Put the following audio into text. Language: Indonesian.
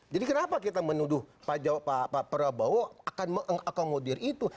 jadi kenapa kita menuduh pak prabowo akan mengakomodir itu